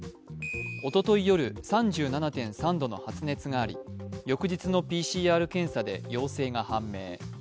おととい夜、３７．３度の発熱があり、翌日のＰＣＲ検査で陽性が判明。